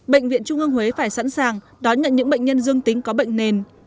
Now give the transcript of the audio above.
bệnh viện trung ương huế phải sẵn sàng đón nhận những bệnh nhân dương tính có bệnh nền